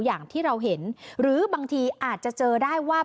อย่างที่เราเห็นหรือบางทีอาจจะเจอได้ว่า